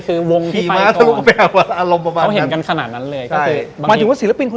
คือวงที่ไปก่อนเขาเห็นกันขนาดนั้นเลยก็คือบางทีภีมะสรุปประมาณอารมณ์ประมาณนั้น